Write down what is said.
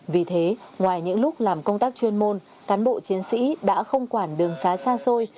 vì thế ngoài những lúc làm công tác chuyên môn cán bộ chiến sĩ đã không quản đường xá xa xôi